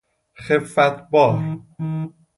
خفت بار